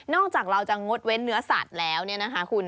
จากเราจะงดเว้นเนื้อสัตว์แล้วเนี่ยนะคะคุณ